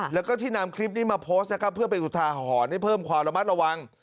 แล้วก็ที่นำคลิปนี้มาโพสต์นะครับเพื่อเป็นอุทาหรณ์ให้เพิ่มความระมัดระวัง